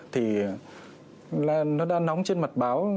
thì nó đã nóng trên mặt báo